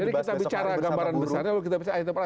jadi kita bicara gambaran besarnya